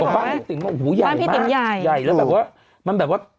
บ้านพี่ติ๋มใหญ่มากบ้านพี่ติ๋มใหญ่แล้วแบบว่ามันแบบว่า